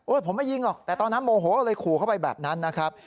ผมไม่ยิงหรอกแต่ตอนนั้นโมโหก็เลยขู่เข้าไปแบบนั้นนะครับ